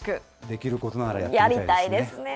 できることならやってみたいですね。